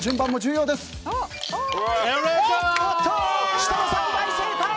設楽さん、大正解！